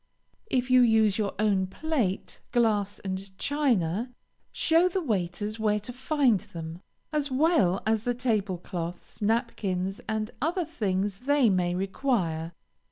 If you use your own plate, glass, and china, show the waiters where to find them, as well as the table cloths, napkins, and other things they may require.